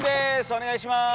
お願いします。